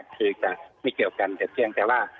คือจะไม่เกี่ยวกันแต่เพียงแต่ว่า